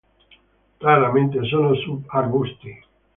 Raramente sono sub-arbusti.